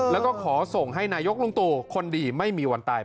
แล้วก็ขอส่งให้นายกลุงตู่คนดีไม่มีวันตาย